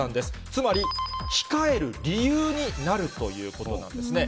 つまり、控える理由になるということなんですね。